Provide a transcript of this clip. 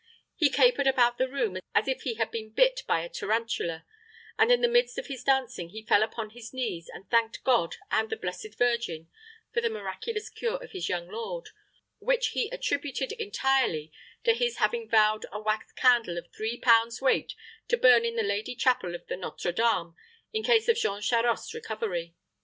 He capered about the room as if he had been bit by a tarantula, and in the midst of his dancing he fell upon his knees, and thanked God and the blessed Virgin for the miraculous cure of his young lord, which he attributed entirely to his having vowed a wax candle of three pounds' weight to burn in the Lady Chapel of the Nôtre Dame in case of Jean Charost's recovery.